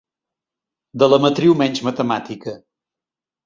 De la matriu menys matemàtica.